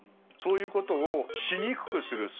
そういうことをしにくくする。